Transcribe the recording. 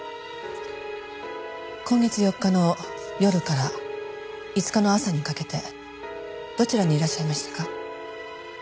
今月４日の夜から５日の朝にかけてどちらにいらっしゃいましたか？